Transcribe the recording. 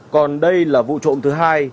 còn đây là vụ trộm thứ hai